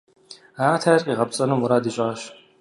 Арати ар къигъэпцӀэну мурад ищӀащ.